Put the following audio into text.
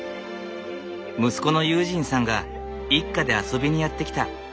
息子の悠仁さんが一家で遊びにやって来た。